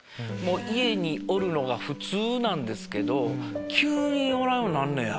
家におるのが普通なんですけど急におらんようになんねや！